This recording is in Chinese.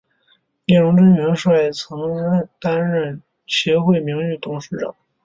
聂荣臻元帅曾担任协会名誉理事长。